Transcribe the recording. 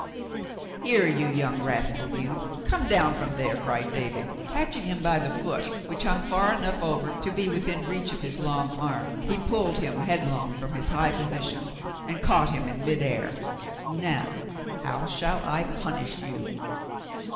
"Here, you young rascal you, come down from there," cried David. Catching him by the foot, which hung far enough over to be within reach of his long arm, he pulled him headlong from his high position and caught him in mid air. "Now, how shall I punish you